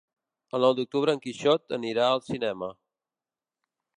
El nou d'octubre en Quixot anirà al cinema.